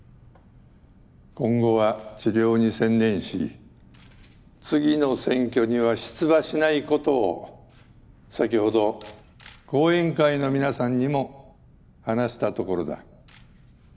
今後は治療に専念し次の選挙には出馬しないことを先ほど後援会の皆さんにも話したところだ。